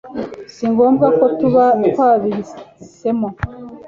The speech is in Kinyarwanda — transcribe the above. si ngombwa ko tuba twabihisemo.